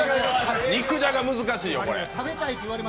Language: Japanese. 肉じゃが難しいよ、これ。